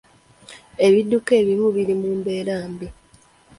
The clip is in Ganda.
Ebidduka ebimu biri mu mbeera mbi.